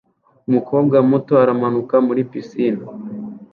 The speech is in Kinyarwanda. Umukobwa muto aramanuka muri pisine